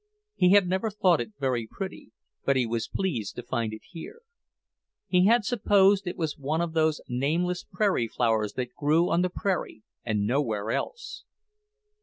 He had never thought it very pretty, but he was pleased to find it here. He had supposed it was one of those nameless prairie flowers that grew on the prairie and nowhere else.